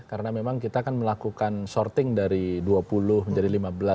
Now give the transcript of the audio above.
karena memang kita kan melakukan sorting dari dua puluh menjadi lima belas